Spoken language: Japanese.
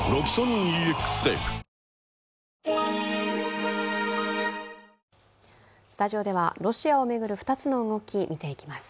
スタジオではロシアを巡る２つの動き見ていきます。